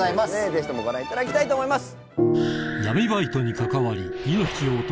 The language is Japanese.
ぜひご覧いただきたいと思います。